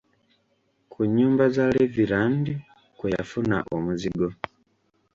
Ku nnyumba za levirand kwe yafuna omuzigo.